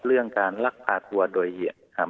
เรื่องการรักภาคตัวโดยเหี่ยว